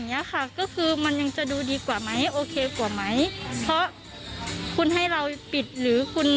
ค่ะก็คือมันยังจะดูดีกว่าไหมโอเคกว่าไหมเพราะคุณให้เราปิดหรือคุณ